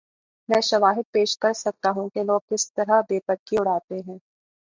میں شواہد پیش کر سکتا ہوں کہ لوگ کس طرح بے پر کی اڑاتے ہیں۔